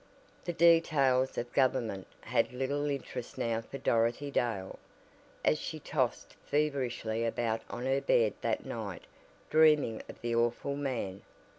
The details of government had little interest now for Dorothy Dale, as she tossed feverishly about on her bed that night dreaming of the awful man.